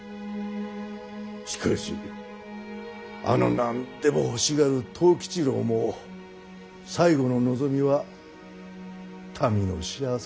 しかしあの何でも欲しがる藤吉郎も最後の望みは民の幸せとはのう。